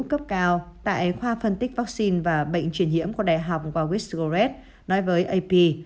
cấp cao tại khoa phân tích vaccine và bệnh truyền hiểm của đại học qua whistleret nói với ap